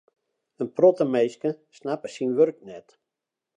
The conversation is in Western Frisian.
In protte minsken snappe syn wurk net.